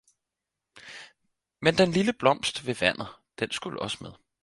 Men den lille blå blomst ved vandet, den skulle også med